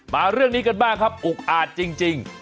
มาเรื่องนี้กันบ้างครับอุกอาจจริง